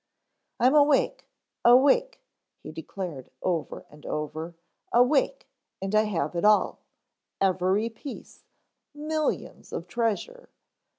"I'm awake, awake," he declared over and over. "Awake, and I have it all, every piece, millions of treasure."